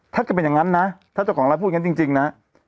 ถ้าจะเป็นอย่างนั้นนะถ้าเจ้าของร้านพูดอย่างนั้นจริงนะ